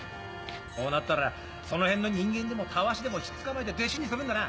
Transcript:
こうなったらその辺の人間でもタワシでもひっ捕まえて弟子にするんだな。